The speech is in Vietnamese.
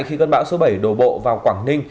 khi cơn bão số bảy đổ bộ vào quảng ninh